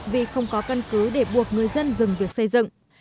vì không có căn cứ để buộc người dân dừng việc xây dựng